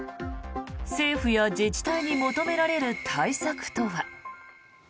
政府や自治体に求められる対策とは。